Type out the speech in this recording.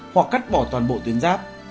hoặc cắt bỏ toàn bộ tuyến ráp